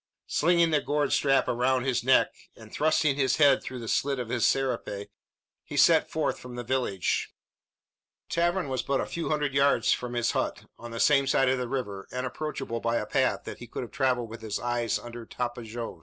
Slinging the gourd strap around his neck, and thrusting his head through the slit of his serape, he set forth for the village. The tavern was but a few hundred yards from his hut, on the same side of the river, and approachable by a path, that he could have travelled with his eyes under "tapojos."